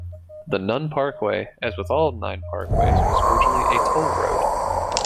The Nunn Parkway, as with all nine parkways, was originally a toll road.